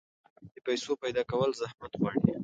د پیسو پیدا کول زحمت غواړي.